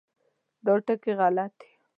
دا ټکي غلط دي.